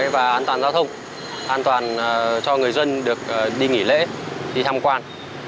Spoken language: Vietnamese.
và an toàn giao thông an toàn cho người dân được đi nghỉ lễ đi tham quan